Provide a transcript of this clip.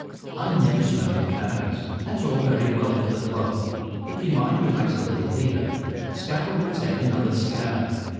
"I never smoke at cards." "That's all very well for the club, but you might relax a little here. Scarborough will take another cigar."